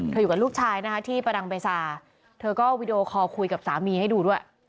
อยู่กับลูกชายนะคะที่ประดังเบซาเธอก็วีดีโอคอลคุยกับสามีให้ดูด้วย